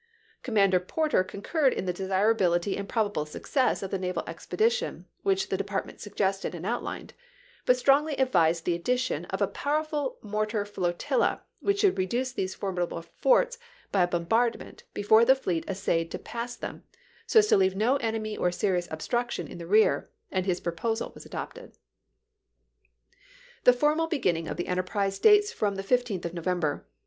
Commander Porter concurred in the desirability and probable success of the naval expedition which the department suggested and outlined, but strongly advised the addition of a powerful mortar flotilla, which should reduce these formidable forts by a bombardment before the fleet essayed to pass them, so as to leave no enemy or serious obstruction in the rear ; and his proposal was adopted. The formal beginning of the enterprise dates 1861. from the 15th of November.